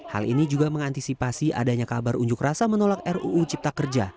hal ini juga mengantisipasi adanya kabar unjuk rasa menolak ruu cipta kerja